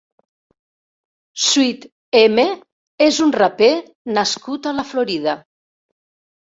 SWIT EME és un raper nascut a la Florida.